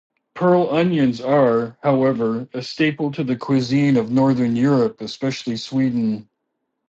'Pearl' onions are, however, a staple to the cuisine of Northern Europe, especially Sweden.